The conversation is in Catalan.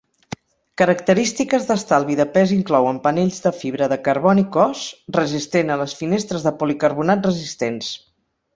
Característiques d'estalvi de pes inclouen panells de fibra de carboni cos, resistent a les finestres de policarbonat resistents.